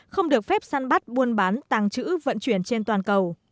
không được phép săn bắt buôn bán tàng trữ vận chuyển trên toàn cầu